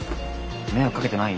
迷惑かけてない？